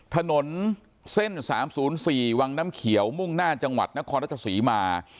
ถนนเส้น๓๐๔วังน้ำเขียวมุ่งหน้าจังหวัดนครราชศรีมา